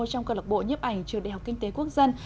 trong câu lạc bộ nhiếp ảnh trường đại học kinh tế quốc dân